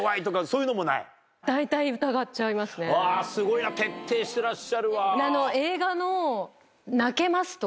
すごいな徹底してらっしゃるわ。